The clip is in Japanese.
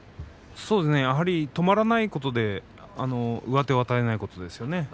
やはり止まらないことで上手を与えないことですね。